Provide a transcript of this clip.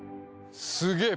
すげえ！